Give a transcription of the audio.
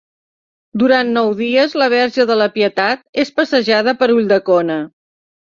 Durant nou dies la Verge de la Pietat és passejada per Ulldecona.